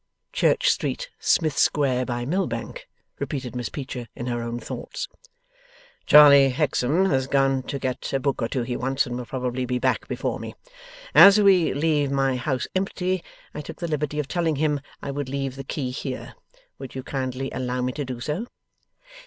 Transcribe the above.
'Church Street, Smith Square, by Mill Bank,' repeated Miss Peecher, in her own thoughts. 'Charley Hexam has gone to get a book or two he wants, and will probably be back before me. As we leave my house empty, I took the liberty of telling him I would leave the key here. Would you kindly allow me to do so?